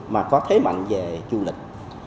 mà có thế mạnh về du lịch